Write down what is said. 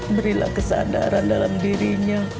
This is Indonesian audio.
berilah kesadaran dalam dirinya